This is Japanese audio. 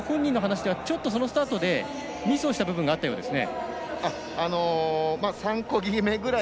そのあと本人の話ではそのスタートでミスをした部分があったようですね。